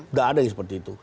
nggak ada yang seperti itu